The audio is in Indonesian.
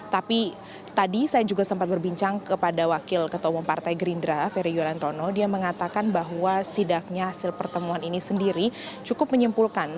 tapi tadi saya juga sempat berbincang kepada wakil ketua umum partai gerindra ferry yuliantono dia mengatakan bahwa setidaknya hasil pertemuan ini sendiri cukup menyimpulkan